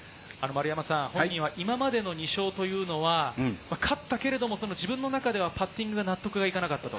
本人は今までの２勝というのは、あったけれども自分の中ではパッティング納得いかなかった。